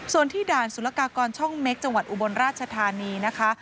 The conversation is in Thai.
ส่วนที่ด่านสุรกากรช่องเม็กจังหวัดอุบลราชธานีนะคะ